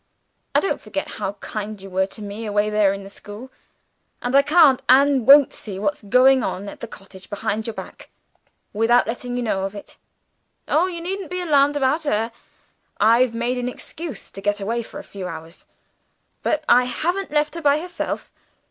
I don't forget how kind you were to me, away there at the school and I can't, and won't, see what's going on at the cottage, behind your back, without letting you know of it. Oh, you needn't be alarmed about her! I've made an excuse to get away for a few hours but I haven't left her by herself.